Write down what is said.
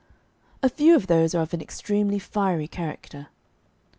A few of those are of an extremely fiery character.